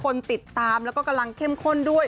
คนติดตามและกำลังเข้มคนด้วย